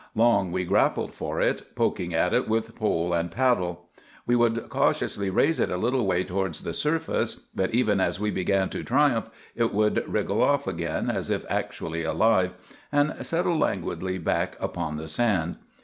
Long we grappled for it, poking at it with pole and paddle. We would cautiously raise it a little way towards the surface; but even as we began to triumph it would wriggle off again as if actually alive, and settle languidly back upon the sand.